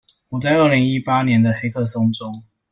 我在二零一八年的黑客松中